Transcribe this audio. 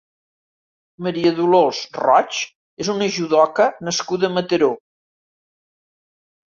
Maria Dolors Roig és una judoka nascuda a Mataró.